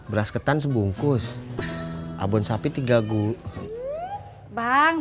beras ketan sebungkus abon sapi tiga gulung